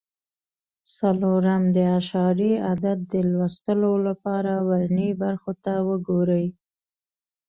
څلورم: د اعشاري عدد د لوستلو لپاره ورنیي برخو ته وګورئ.